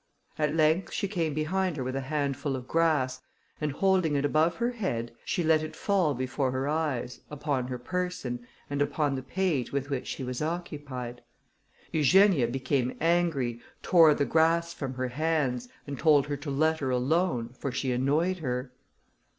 At length she came behind her with a handful of grass, and holding it above her head, she let it fall before her eyes, upon her person, and upon the page with which she was occupied. Eugenia become angry, tore the grass from her hands, and told her to let her alone, for she annoyed her.